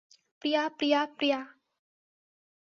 প্রিয়া Priya প্রিয়া!